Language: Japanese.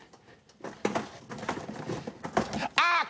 あっ！